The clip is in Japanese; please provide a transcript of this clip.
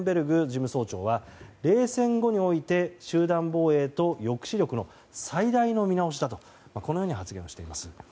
事務総長は冷戦後において集団防衛と抑止力の最大の見直しだとこのように発言をしています。